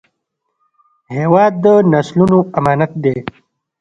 هېواد د نسلونو امانت دی.